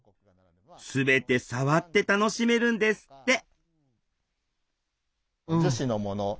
全てさわって楽しめるんですって樹脂のもの